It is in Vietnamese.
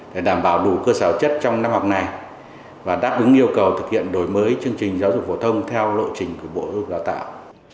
để đảm bảo đủ cơ sở chất trong năm học này và đáp ứng yêu cầu thực hiện đổi mới chương trình giáo dục phổ thông theo lộ trình của bộ đào tạo